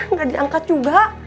nggak diangkat juga